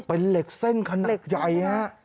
เป็นเหล็กเส้นขนาดใหญ่ฮะ